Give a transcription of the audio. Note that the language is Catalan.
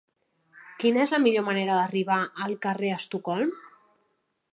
Quina és la millor manera d'arribar al carrer d'Estocolm?